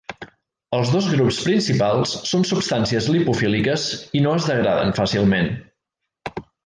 Els dos grups principals són substàncies lipofíliques i no es degraden fàcilment.